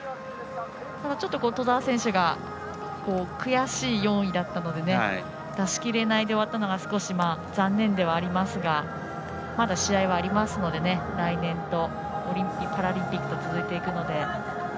ちょっと兎澤選手が悔しい４位だったので出しきれないで終わったのが少し、残念ではありますがまだ試合はありますので来年と、パラリンピックと続いていくので。